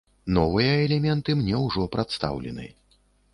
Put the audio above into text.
Новыя элементы мне ўжо прадстаўлены.